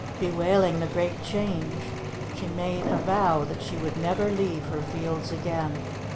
Bewailing the great change, she made a vow that she would never leave her fields again.